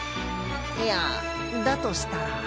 いやだとしたら。